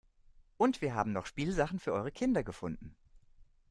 Und wir haben noch Spielsachen für eure Kinder gefunden.